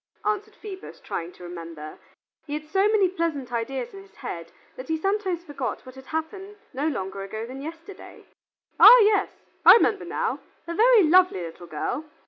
answered Phoebus, trying to remember. He had so many pleasant ideas in his head that he sometimes forgot what had happened no longer ago than yesterday. "Ah yes! I remember now a very lovely little girl.